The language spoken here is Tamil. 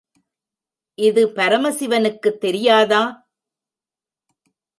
இது பரமசிவனுக்குத் தெரியாதா?